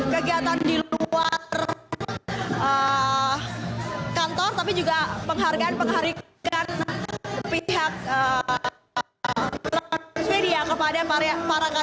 kegiatan di luar kantor tapi juga penghargaan penghargaan pihak transmedia kepada para